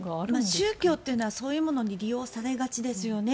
宗教というのはそういうものに利用されがちですよね。